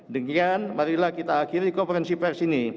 dengan inilah mari kita akhiri konferensi pers ini